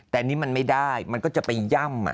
แต่นี่มันไม่ได้มันก็จะไปย่ำ